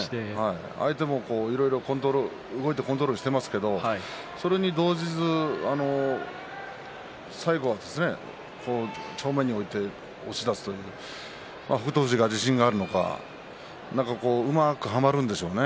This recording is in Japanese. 相手も動いてコントロールしていますけどそれに動じずに最後は正面に置いて押し出すという北勝富士は自信があるのかうまくはまるんでしょうね。